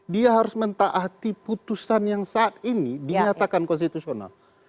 dia harus mentaati putusan yang saat ini dinyatakan konstitusional